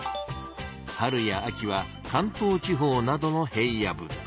春や秋は関東地方などの平野部。